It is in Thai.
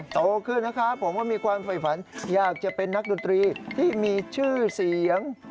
โตขึ้นนะครับผมว่ามีความฝ่ายฝันอยากจะเป็นนักดนตรีที่มีชื่อเสียง